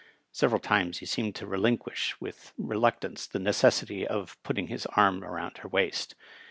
Several times he seemed to relinquish with reluctance the necessity of put ting his arm round her waist.